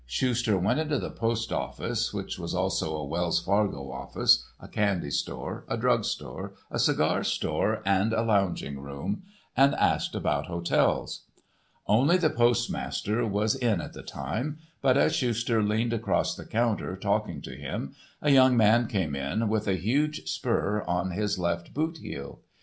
Schuster went into the postoffice, which was also a Wells Fargo office, a candy store, a drug store, a cigar store, and a lounging room, and asked about hotels. Only the postmaster was in at that time, but as Schuster leaned across the counter, talking to him, a young man came in, with a huge spur on his left boot heel.